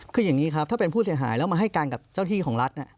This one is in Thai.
คืออย่างนี้ครับถ้าเป็นผู้เสียหายแล้วมาให้การกับเจ้าที่ของรัฐ